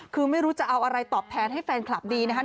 คือไม่รู้จะเอาอะไรตอบแทนให้แฟนคลับดีนะครับ